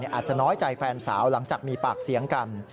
อาจจะน้อยใจแฟนสาวหลังจากมีปากเสียงกัน